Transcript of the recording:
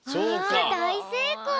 あだいせいこう！